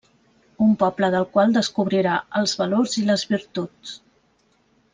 Un poble del qual descobrirà els valors i les virtuts.